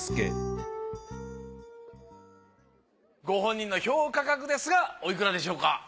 ご本人の評価額ですがおいくらでしょうか？